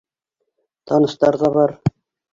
Таныштар ҙа бар.